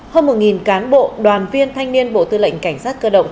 hơn một cán bộ đoàn viên thanh niên bộ tư lệnh cảnh sát cơ động